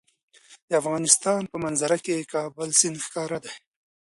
د افغانستان په منظره کې د کابل سیند ښکاره ده.